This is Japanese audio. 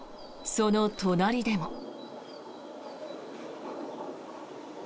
その隣でも。